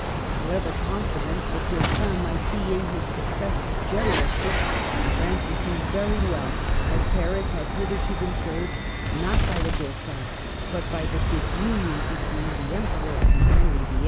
However confi dent the Dauphin might be in his successful generalship, Francis knew very well that Paris had hitherto been saved, not by the Dauphin, but by the disunion between the Emperor and Henry VHI.